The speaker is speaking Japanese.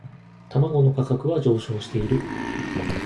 卵の価格は上昇している